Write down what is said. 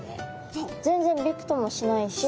全然びくともしないし。